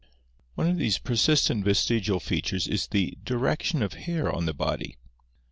One of these persistent vestigial features is the direction of hair on the body.